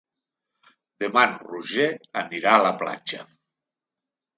Demà en Roger anirà a la platja.